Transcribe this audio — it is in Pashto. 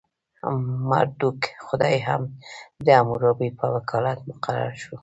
مردوک خدای هم د حموربي په وکالت مقرر شو.